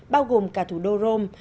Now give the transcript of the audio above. bao gồm cả thủ đô rome